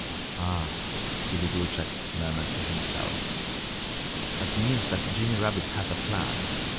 "Ah!" Billy Woodchuck murmured to himself. "That means that Jimmy Rabbit has a plan.